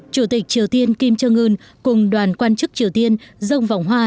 chủ tịch triều tiên kim trương ưn cùng đoàn quan chức triều tiên rông vòng hoa